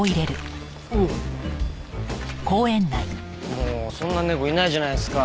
もうそんな猫いないじゃないですか。